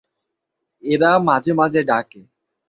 এরা মাঝে মাঝে ডাকে।